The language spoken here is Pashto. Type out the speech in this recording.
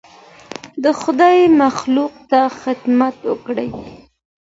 د خدای مخلوق ته خدمت وکړئ.